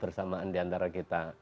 kebersamaan di antara kita